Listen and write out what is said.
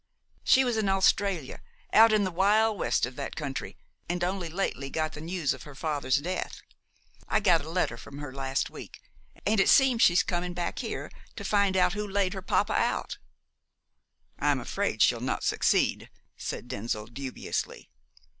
She was in Australia out in the wild west of that country and only lately got the news of her father's death. I got a letter from her last week, and it seems as she's coming back here to find out who laid her poppa out." "I am afraid she'll not succeed," said Denzil dubiously.